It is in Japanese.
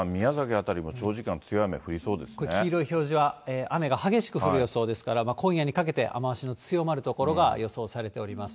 辺りも長時間強い雨、これ、黄色い表示は雨が激しく降る予想ですから、今夜にかけて雨足の強まる所が予想されております。